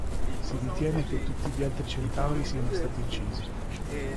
Si ritiene che tutti gli altri centauri siano stati uccisi.